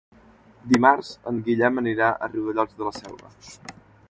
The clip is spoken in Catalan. Dimarts en Guillem anirà a Riudellots de la Selva.